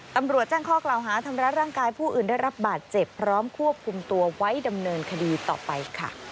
ตำรวจแจ้งข้อกล่าวหาทำร้ายร่างกายผู้อื่นได้รับบาดเจ็บพร้อมควบคุมตัวไว้ดำเนินคดีต่อไปค่ะ